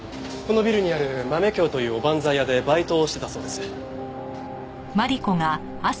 このビルにあるまめ京というおばんざい屋でバイトをしてたそうです。